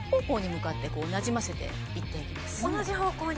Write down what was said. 同じ方向に？